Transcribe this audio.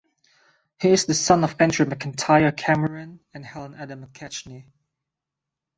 He is the son of Andrew Macintyre Cameron and Helen Adam McKechnie.